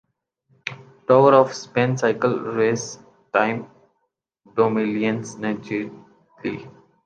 tour of Spain cycle race Tom Dumoulin نے جیت لی